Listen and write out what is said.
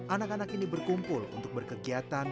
anak anak ini berkumpul untuk berkegiatan